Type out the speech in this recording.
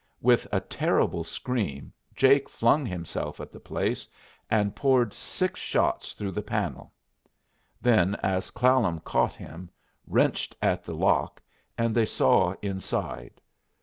With a terrible scream, Jake flung himself at the place, and poured six shots through the panel; then, as Clallam caught him, wrenched at the lock, and they saw inside.